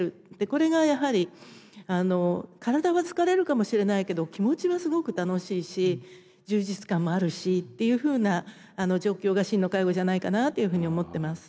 これがやはり体は疲れるかもしれないけど気持ちはすごく楽しいし充実感もあるしっていうふうな状況が真の介護じゃないかなというふうに思ってます。